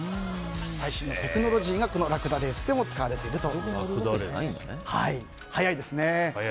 最新のテクノロジーがこのラクダレースでも使われているということです。